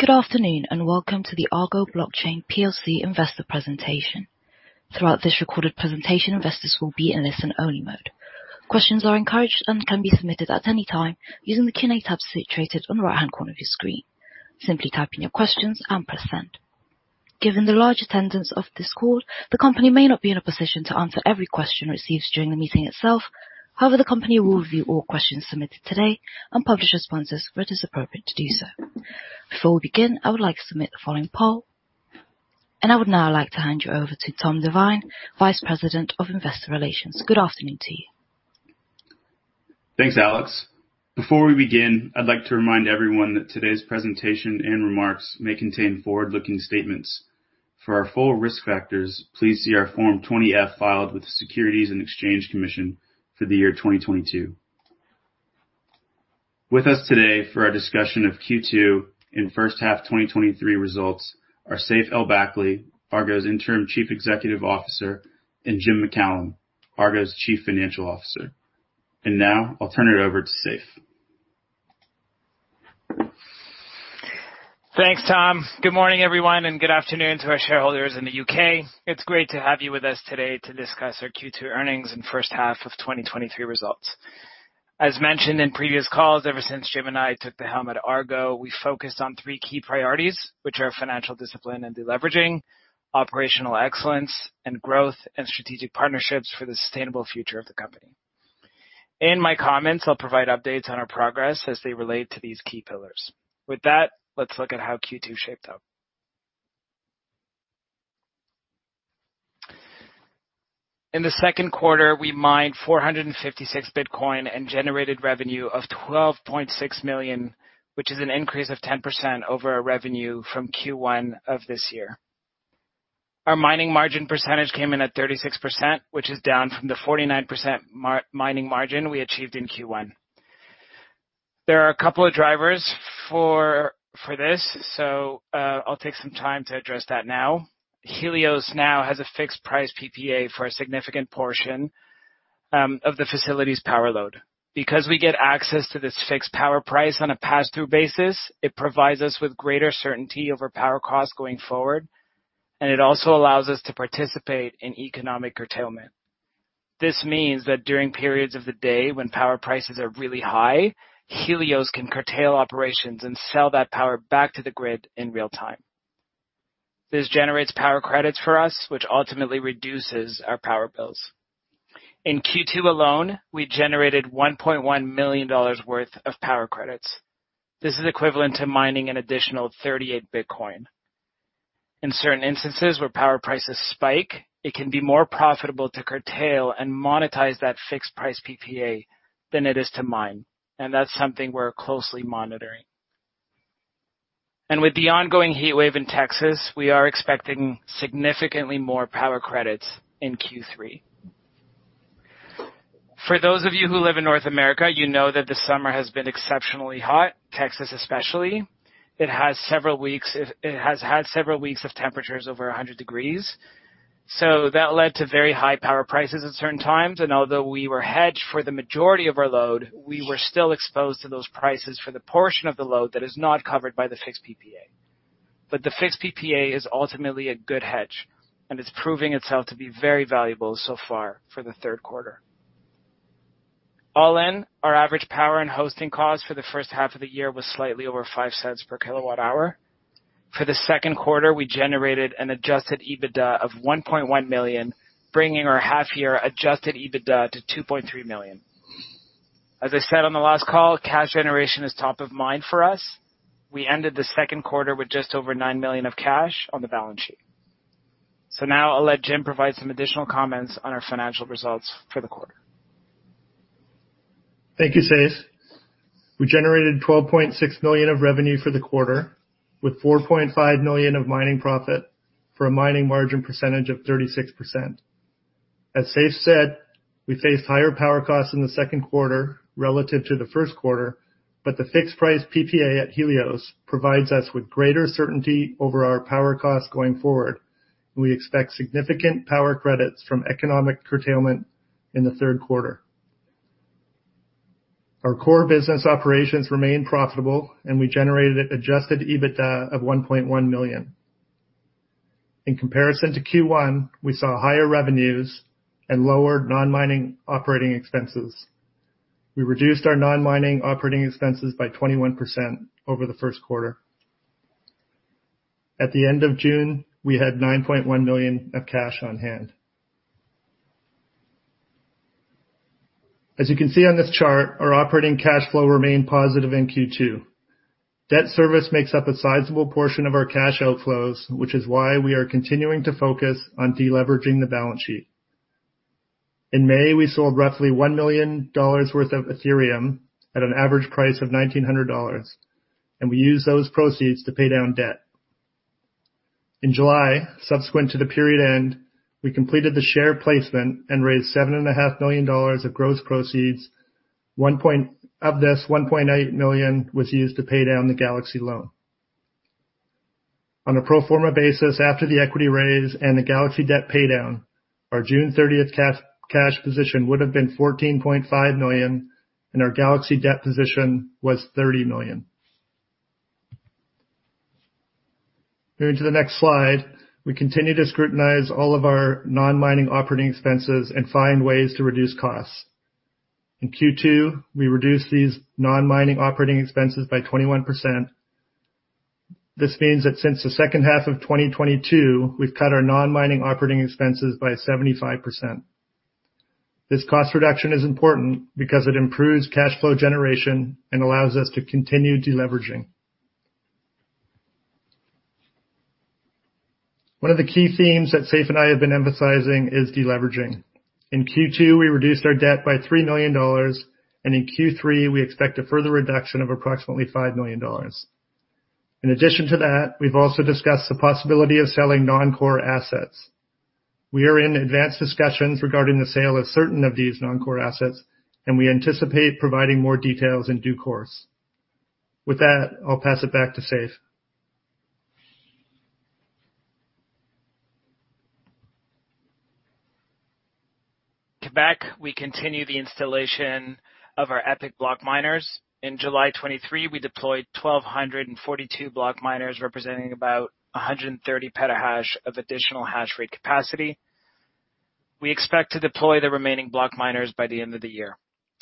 Good afternoon, and welcome to the Argo Blockchain PLC investor presentation. Throughout this recorded presentation, investors will be in listen-only mode. Questions are encouraged and can be submitted at any time using the Q&A tab situated on the right-hand corner of your screen. Simply type in your questions and press Send. Given the large attendance of this call, the company may not be in a position to answer every question received during the meeting itself. However, the company will review all questions submitted today and publish responses where it is appropriate to do so. Before we begin, I would like to submit the following poll. I would now like to hand you over to Tom DeVine, Vice President of Investor Relations. Good afternoon to you. Thanks, Alex. Before we begin, I'd like to remind everyone that today's presentation and remarks may contain forward-looking statements. For our full risk factors, please see our Form 20-F filed with the Securities and Exchange Commission for the year 2022. With us today for our discussion of Q2 and first half 2023 results are Seif El-Bakly, Argo's Interim Chief Executive Officer, and Jim MacCallum, Argo's Chief Financial Officer. Now I'll turn it over to Seif. Thanks, Tom. Good morning, everyone, and good afternoon to our shareholders in the UK. It's great to have you with us today to discuss our Q2 earnings and first half of 2023 results. As mentioned in previous calls, ever since Jim and I took the helm at Argo, we focused on three key priorities, which are financial discipline and deleveraging, operational excellence, and growth and strategic partnerships for the sustainable future of the company. In my comments, I'll provide updates on our progress as they relate to these key pillars. With that, let's look at how Q2 shaped up. In the second quarter, we mined 456 Bitcoin and generated revenue of $12.6 million, which is an increase of 10% over our revenue from Q1 of this year. Our mining margin percentage came in at 36%, which is down from the 49% mining margin we achieved in Q1. There are a couple of drivers for this, so I'll take some time to address that now. Helios now has a fixed price PPA for a significant portion of the facility's power load. Because we get access to this fixed power price on a pass-through basis, it provides us with greater certainty over power costs going forward, and it also allows us to participate in economic curtailment. This means that during periods of the day when power prices are really high, Helios can curtail operations and sell that power back to the grid in real time. This generates power credits for us, which ultimately reduces our power bills. In Q2 alone, we generated $1.1 million worth of power credits. This is equivalent to mining an additional 38 Bitcoin. In certain instances where power prices spike, it can be more profitable to curtail and monetize that fixed price PPA than it is to mine, and that's something we're closely monitoring. With the ongoing heat wave in Texas, we are expecting significantly more power credits in Q3. For those of you who live in North America, you know that the summer has been exceptionally hot, Texas especially. It has had several weeks of temperatures over 100 degrees, so that led to very high power prices at certain times, and although we were hedged for the majority of our load, we were still exposed to those prices for the portion of the load that is not covered by the fixed PPA. But the fixed PPA is ultimately a good hedge, and it's proving itself to be very valuable so far for the third quarter. All in, our average power and hosting cost for the first half of the year was slightly over $0.05/kWh. For the second quarter, we generated an Adjusted EBITDA of $1.1 million, bringing our half-year Adjusted EBITDA to $2.3 million. As I said on the last call, cash generation is top of mind for us. We ended the second quarter with just over $9 million of cash on the balance sheet. So now I'll let Jim provide some additional comments on our financial results for the quarter. Thank you, Seif. We generated $12.6 million of revenue for the quarter, with $4.5 million of mining profit, for a mining margin percentage of 36%. As Seif said, we faced higher power costs in the second quarter relative to the first quarter, but the fixed price PPA at Helios provides us with greater certainty over our power costs going forward, and we expect significant power credits from economic curtailment in the third quarter. Our core business operations remain profitable, and we generated Adjusted EBITDA of $1.1 million. In comparison to Q1, we saw higher revenues and lower non-mining operating expenses. We reduced our non-mining operating expenses by 21% over the first quarter. At the end of June, we had $9.1 million of cash on hand. As you can see on this chart, our operating cash flow remained positive in Q2. Debt service makes up a sizable portion of our cash outflows, which is why we are continuing to focus on deleveraging the balance sheet. In May, we sold roughly $1 million worth of Ethereum at an average price of $1,900, and we used those proceeds to pay down debt. In July, subsequent to the period end, we completed the share placement and raised $7.5 million of gross proceeds. One point. Of this, $1.8 million was used to pay down the Galaxy loan. On a pro forma basis, after the equity raise and the Galaxy debt paydown, our June thirtieth cash position would have been $14.5 million, and our Galaxy debt position was $30 million. Moving to the next slide, we continue to scrutinize all of our non-mining operating expenses and find ways to reduce costs. In Q2, we reduced these non-mining operating expenses by 21%. This means that since the second half of 2022, we've cut our non-mining operating expenses by 75%. This cost reduction is important because it improves cash flow generation and allows us to continue deleveraging. One of the key themes that Seif and I have been emphasizing is deleveraging. In Q2, we reduced our debt by $3 million, and in Q3, we expect a further reduction of approximately $5 million. In addition to that, we've also discussed the possibility of selling non-core assets. We are in advanced discussions regarding the sale of certain of these non-core assets, and we anticipate providing more details in due course. With that, I'll pass it back to Seif. Quebec, we continue the installation of our ePIC BlockMiners. In July 2023, we deployed 1,242 Block miners, representing about 130 petahash of additional hash rate capacity. We expect to deploy the remaining Block miners by the end of the year.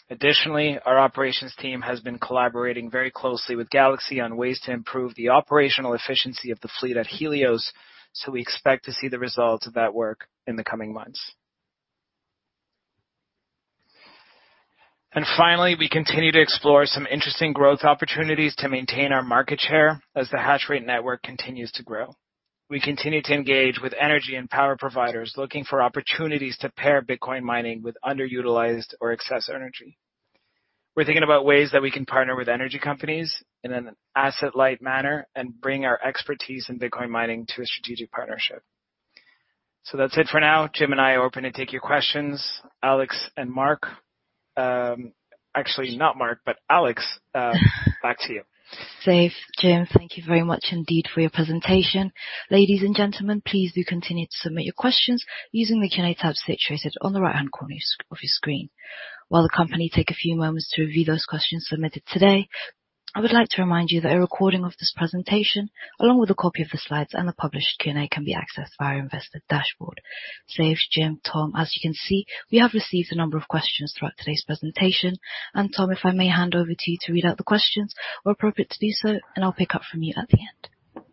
Additionally, our operations team has been collaborating very closely with Galaxy on ways to improve the operational efficiency of the fleet at Helios, so we expect to see the results of that work in the coming months. And finally, we continue to explore some interesting growth opportunities to maintain our market share as the hash rate network continues to grow. We continue to engage with energy and power providers, looking for opportunities to pair Bitcoin mining with underutilized or excess energy. We're thinking about ways that we can partner with energy companies in an asset-light manner and bring our expertise in Bitcoin mining to a strategic partnership. So that's it for now. Jim and I are open to take your questions. Alex and Mark. Actually, not Mark, but Alex, back to you. Seif, Jim, thank you very much indeed for your presentation. Ladies and gentlemen, please do continue to submit your questions using the Q&A tab situated on the right-hand corner of your screen. While the company takes a few moments to review those questions submitted today, I would like to remind you that a recording of this presentation, along with a copy of the slides and the published Q&A, can be accessed via our Investor dashboard. Seif, Jim, Tom, as you can see, we have received a number of questions throughout today's presentation, and Tom, if I may hand over to you to read out the questions where appropriate to do so, and I'll pick up from you at the end.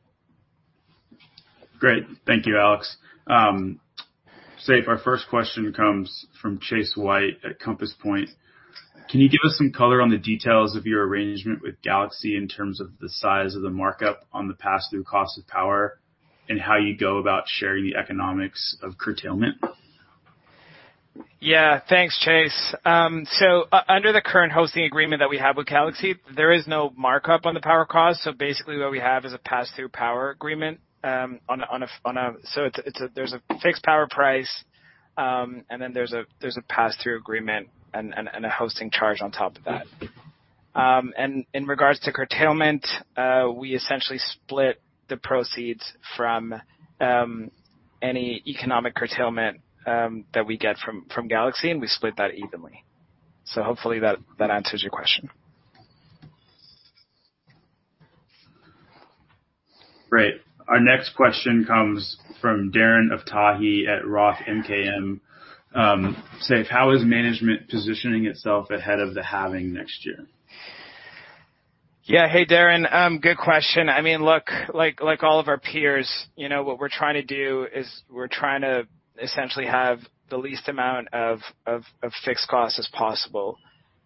Great. Thank you, Alex. Seif, our first question comes from Chase White at Compass Point. Can you give us some color on the details of your arrangement with Galaxy in terms of the size of the markup on the pass-through cost of power and how you go about sharing the economics of curtailment? Yeah. Thanks, Chase. So under the current hosting agreement that we have with Galaxy, there is no markup on the power cost, so basically what we have is a pass-through power agreement. So it's a fixed power price, and then there's a pass-through agreement and a hosting charge on top of that. And in regards to curtailment, we essentially split the proceeds from any economic curtailment that we get from Galaxy, and we split that evenly. So hopefully that answers your question. Great. Our next question comes from Darren Aftahi at Roth MKM. Seif, how is management positioning itself ahead of the halving next year? Yeah. Hey, Darren, good question. I mean, look, like all of our peers, you know, what we're trying to do is we're trying to essentially have the least amount of fixed costs as possible.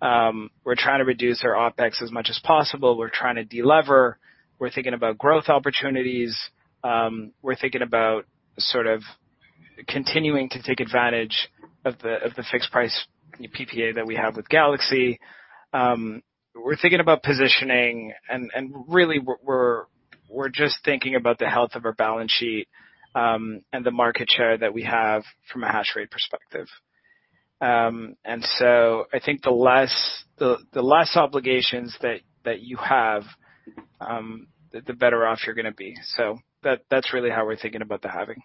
We're trying to reduce our OpEx as much as possible. We're trying to delever. We're thinking about growth opportunities. We're thinking about sort of continuing to take advantage of the fixed price PPA that we have with Galaxy. We're thinking about positioning and really, we're just thinking about the health of our balance sheet, and the market share that we have from a hash rate perspective. And so I think the less obligations that you have, the better off you're gonna be. So that's really how we're thinking about the halving.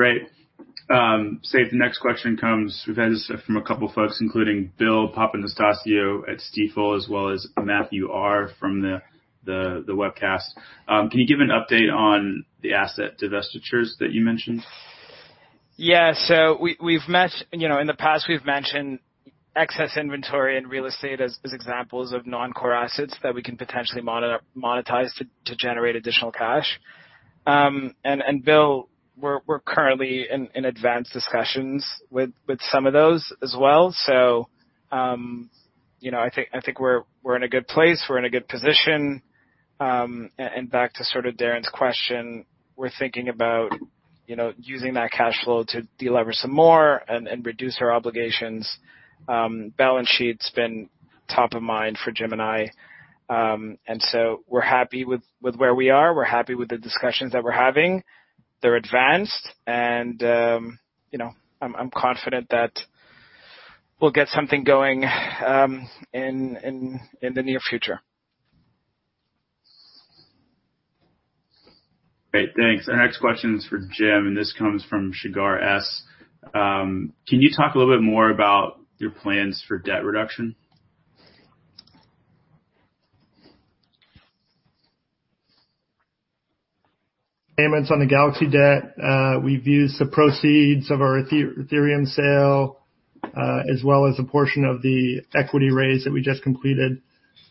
Great. Seif, the next question comes, we've had this from a couple folks, including Bill Papanastasiou at Stifel, as well as Matthew R. from the webcast. Can you give an update on the asset divestitures that you mentioned? Yeah. So we've mentioned, you know, in the past, we've mentioned excess inventory and real estate as examples of non-core assets that we can potentially monetize to generate additional cash. And Bill, we're currently in advanced discussions with some of those as well. So, you know, I think we're in a good place, we're in a good position. And back to sort of Darren's question, we're thinking about, you know, using that cash flow to delever some more and reduce our obligations. Balance sheet's been top of mind for Jim and I. And so we're happy with where we are. We're happy with the discussions that we're having. They're advanced and, you know, I'm confident that we'll get something going in the near future. Great, thanks. Our next question is for Jim, and this comes from Shigar S. Can you talk a little bit more about your plans for debt reduction? Payments on the Galaxy debt, we've used the proceeds of our Ethereum sale, as well as a portion of the equity raise that we just completed.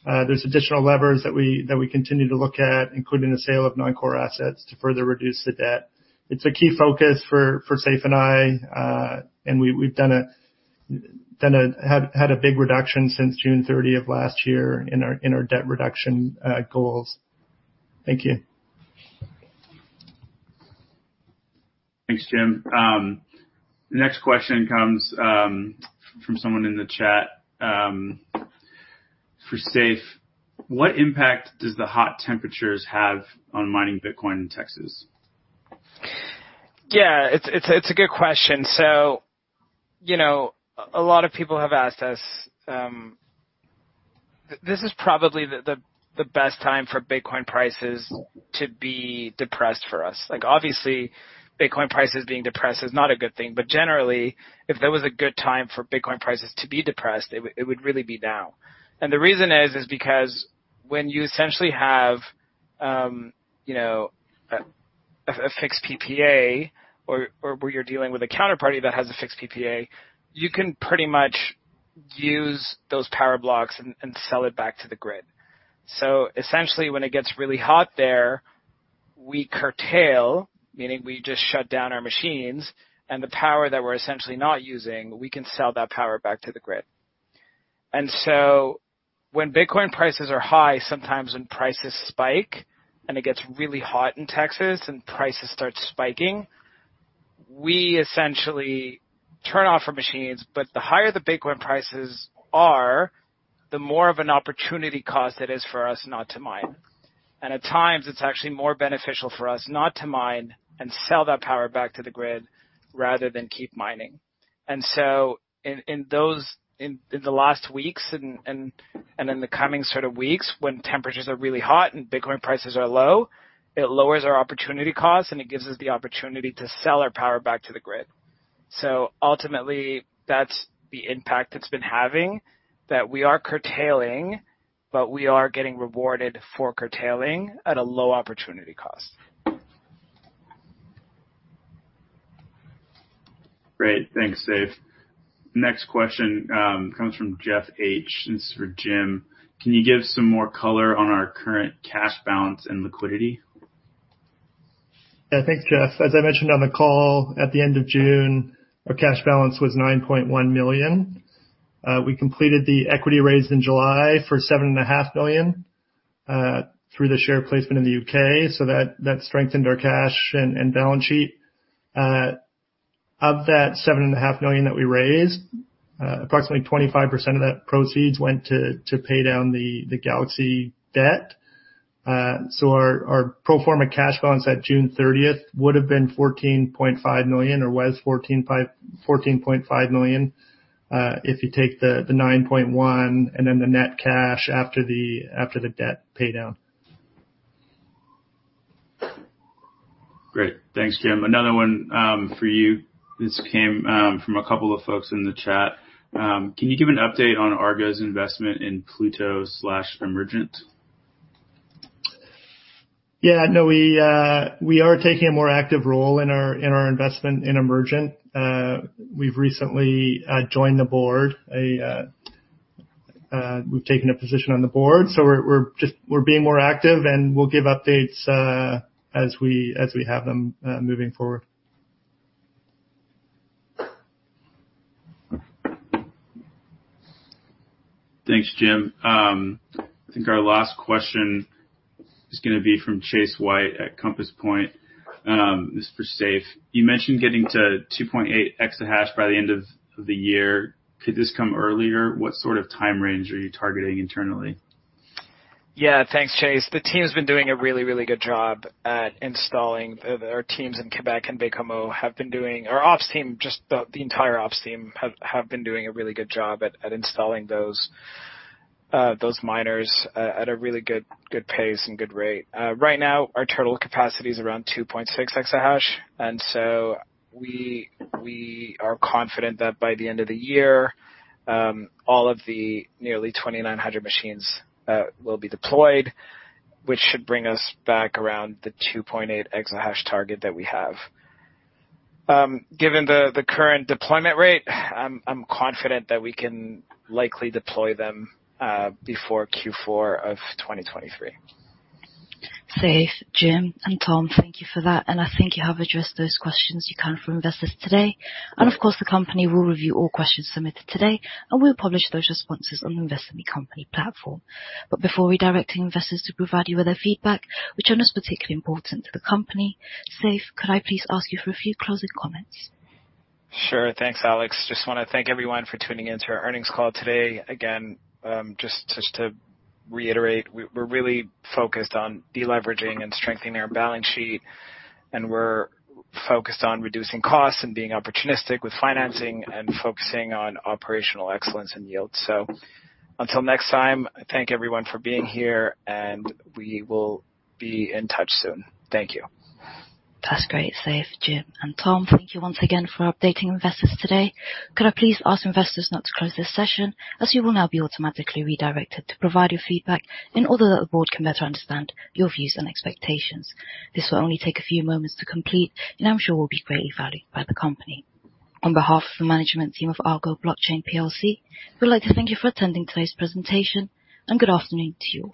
There's additional levers that we continue to look at, including the sale of non-core assets to further reduce the debt. It's a key focus for Seif and I, and we've had a big reduction since June 30th of last year in our debt reduction goals. Thank you. Thanks, Jim. The next question comes from someone in the chat for Seif: What impact does the hot temperatures have on mining Bitcoin in Texas? Yeah, it's a good question. So, you know, a lot of people have asked us. This is probably the best time for Bitcoin prices to be depressed for us. Like, obviously, Bitcoin prices being depressed is not a good thing, but generally, if there was a good time for Bitcoin prices to be depressed, it would really be now. And the reason is because when you essentially have, you know, a fixed PPA or where you're dealing with a counterparty that has a fixed PPA, you can pretty much use those power blocks and sell it back to the grid. So essentially, when it gets really hot there, we curtail, meaning we just shut down our machines, and the power that we're essentially not using, we can sell that power back to the grid. And so when Bitcoin prices are high, sometimes when prices spike and it gets really hot in Texas and prices start spiking, we essentially turn off our machines, but the higher the Bitcoin prices are, the more of an opportunity cost it is for us not to mine. And at times, it's actually more beneficial for us not to mine and sell that power back to the grid rather than keep mining. And so in those, in the last weeks and in the coming sort of weeks, when temperatures are really hot and Bitcoin prices are low, it lowers our opportunity cost, and it gives us the opportunity to sell our power back to the grid. So ultimately, that's the impact it's been having, that we are curtailing, but we are getting rewarded for curtailing at a low opportunity cost. Great. Thanks, Seif. Next question comes from Jeff H. This is for Jim. Can you give some more color on our current cash balance and liquidity? Yeah. Thanks, Jeff. As I mentioned on the call, at the end of June, our cash balance was $9.1 million. We completed the equity raise in July for $7.5 million, through the share placement in the UK, so that strengthened our cash and balance sheet. Of that $7.5 million that we raised, approximately 25% of that proceeds went to pay down the Galaxy debt. So our pro forma cash balance at June thirtieth would have been $14.5 million, or was $14.5 million, if you take the $9.1 million and then the net cash after the debt paydown. Great. Thanks, Jim. Another one for you. This came from a couple of folks in the chat. Can you give an update on Argo's investment in Pluto slash Emergent? Yeah. No, we are taking a more active role in our investment in Emergent. We've recently joined the board. We've taken a position on the board, so we're just being more active, and we'll give updates as we have them moving forward. Thanks, Jim. I think our last question is gonna be from Chase White at Compass Point. This is for Seif. You mentioned getting to 2.8 exahash by the end of the year. Could this come earlier? What sort of time range are you targeting internally? Yeah. Thanks, Chase. The team's been doing a really, really good job at installing. Our teams in Quebec and Baie-Comeau have been doing. Our ops team, just the entire ops team have been doing a really good job at installing those miners at a really good pace and good rate. Right now, our total capacity is around 2.6 exahash, and so we are confident that by the end of the year, all of the nearly 2,900 machines will be deployed, which should bring us back around the 2.8 exahash target that we have. Given the current deployment rate, I'm confident that we can likely deploy them before Q4 of 2023. Seif, Jim, and Tom, thank you for that, and I think you have addressed those questions you can from investors today. Of course, the company will review all questions submitted today, and we'll publish those responses on the Investor Meet Company platform. Before we direct investors to provide you with their feedback, which is particularly important to the company, Seif, could I please ask you for a few closing comments? Sure. Thanks, Alex. Just wanna thank everyone for tuning in to our earnings call today. Again, just to reiterate, we're really focused on deleveraging and strengthening our balance sheet, and we're focused on reducing costs and being opportunistic with financing and focusing on operational excellence and yield. So until next time, I thank everyone for being here, and we will be in touch soon. Thank you. That's great, Seif, Jim, and Tom, thank you once again for updating investors today. Could I please ask investors not to close this session, as you will now be automatically redirected to provide your feedback, in order that the board can better understand your views and expectations. This will only take a few moments to complete, and I'm sure will be greatly valued by the company. On behalf of the management team of Argo Blockchain PLC, we'd like to thank you for attending today's presentation, and good afternoon to you all.